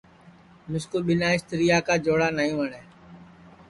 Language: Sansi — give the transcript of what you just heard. مِسکُو ٻنا اِستریا کا جوڑا نئی وٹؔے